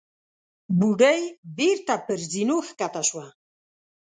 بوډۍ بېرته پر زينو کښته شوه.